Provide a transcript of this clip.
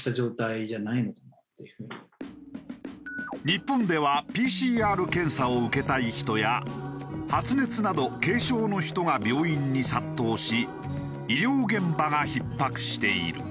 日本ではＰＣＲ検査を受けたい人や発熱など軽症の人が病院に殺到し医療現場がひっ迫している。